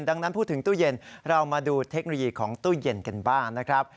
ดังนั้นพูดถึงตู้เย็นเรามาดูเทคโนโลยีของตู้เย็นกันบ้างนะครับ